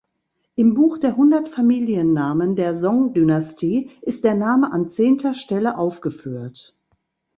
Im Buch der Hundert Familiennamen der Song-Dynastie ist der Name an zehnter Stelle aufgeführt.